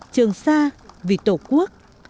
trường sa vì tổ quốc